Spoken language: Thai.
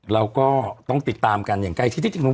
เราก็ต้องติดตามกันอย่างใกล้ชิดที่จริง